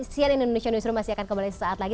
sian indonesia newsroom masih akan kembali sesaat lagi